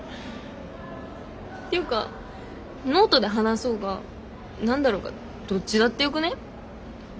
ていうかノートで話そうが何だろうがどっちだってよくね？